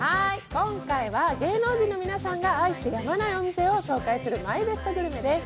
今回は芸能人の皆さんが愛してやまないお店を紹介するＭＹＢＥＳＴグルメです。